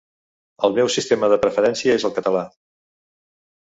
El meu sistema de preferència és el català.